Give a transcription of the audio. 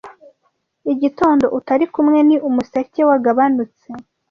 Igitondo utari kumwe ni umuseke wagabanutse